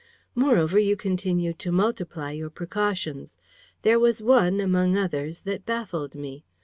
Moreover, you continued to multiply your precautions. There was one, among others, that baffled me.